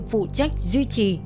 phụ trách duy trì